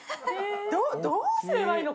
どどうすればいいの？